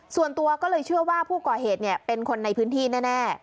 ส่วนตัวก็เลยเชื่อว่าผู้ก่อเหตุเป็นคนในพื้นที่แน่